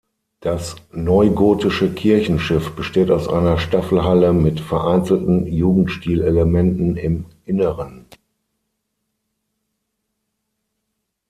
Das neugotische Kirchenschiff besteht aus einer Staffelhalle mit vereinzelten Jugendstil-Elementen im Inneren.